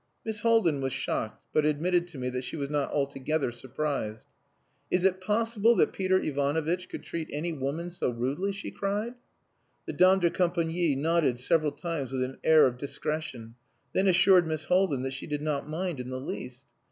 Miss Haldin was shocked, but admitted to me that she was not altogether surprised. "Is it possible that Peter Ivanovitch could treat any woman so rudely?" she cried. The dame de compagnie nodded several times with an air of discretion, then assured Miss Haldin that she did not mind in the least.